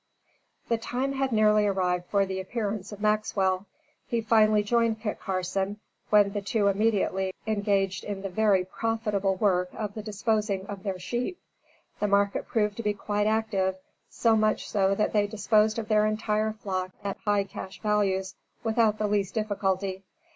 The time had nearly arrived for the appearance of Maxwell. He finally joined Kit Carson, when the two immediately engaged in the very profitable work of disposing of their sheep. The market proved to be quite active so much so that they disposed of their entire flock at high cash values without the least difficulty.